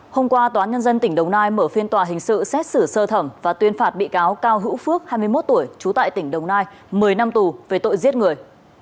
hôm qua tòa nhân dân tỉnh đồng nai mở phiên tòa hình sự xét xử sơ thẩm và tuyên phạt bị cáo cao hữu phước hai mươi một tuổi trú tại tỉnh đồng nai một mươi năm tù về tội giết người